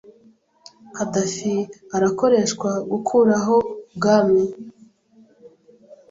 Kadafi arakoreshwa gukuraho ubwami